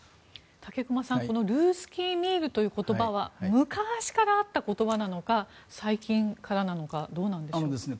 武隈さんルースキー・ミールという言葉は昔からあった言葉なのか最近からなのかどうなんでしょうか？